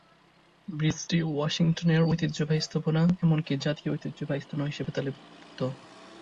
ব্রিজটি ওয়াশিংটনের ঐতিহ্যবাহী স্থাপনা, এমনকি জাতীয় ঐতিহ্যবাহী স্থাপনা হিসেবে তালিকাভুক্ত।